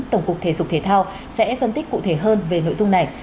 tổng cục thể dục thể thao sẽ phân tích cụ thể hơn về nội dung này